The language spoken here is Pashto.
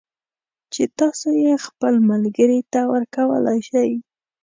چې تاسو یې خپل ملگري ته ورکولای شئ